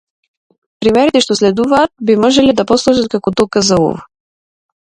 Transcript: Примерите што следуваат би можеле да послужат како доказ за ова.